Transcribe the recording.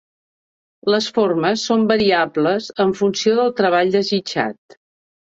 Les formes són variables en funció del treball desitjat.